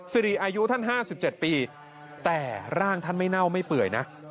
สิริอายุท่าน๕๗ปีแต่ร่างท่านไม่เน่าไม่เปื่อยนะ